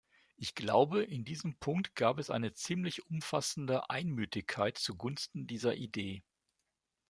Ich glaube, in diesem Punkt gab es eine ziemlich umfassende Einmütigkeit zugunsten dieser Idee.